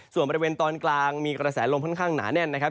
ส่วนบริเวณตอนกลางมีกระแสลมค่อนข้างหนาแน่นนะครับ